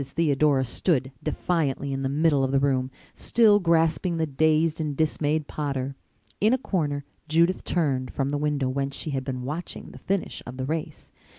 Theodora stood defiantly in the middle of the room, still grasping the dazed and dismayed Potter. In a corner Judith turned from the window whence she had been watching the finish of the race.